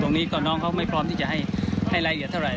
ตรงนี้ก็น้องเขาไม่พร้อมที่จะให้รายละเอียดเท่าไห